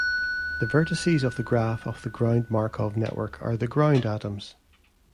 The vertices of the graph of the ground Markov network are the ground atoms.